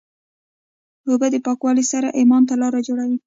اوبه د پاکوالي سره ایمان ته لاره جوړوي.